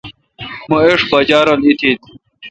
مہ ایݭٹ بجا رل اُتہ۔